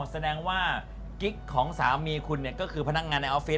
แสดงว่ากิ๊กของสามีคุณเนี่ยก็คือพนักงานในออฟฟิศ